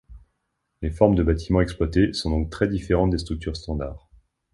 Les formes de bâtiments exploités sont donc très différentes des structures standards.